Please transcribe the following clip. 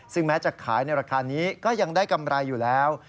ซึ่งแม้จะขายในราคานี้ก็ยังได้กำไรอยู่แล้ว